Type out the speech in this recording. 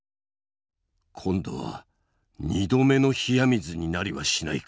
今度は２度目の冷や水になりはしないか。